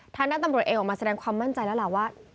ถ้านักตัวบริโระเอียนออกมาแสดงความมั่นใจแล้วแหละว่า